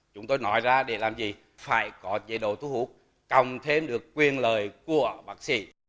chúng tôi nói ra để làm gì phải có dây đồ thu hút cầm thêm được quyền lời của bác sĩ